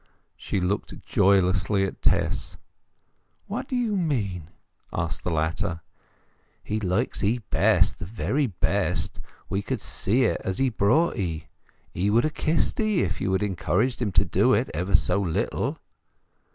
She looked joylessly at Tess. "What do you mean?" asked the latter. "He likes 'ee best—the very best! We could see it as he brought 'ee. He would have kissed 'ee, if you had encouraged him to do it, ever so little."